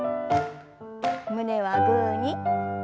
胸はグーに。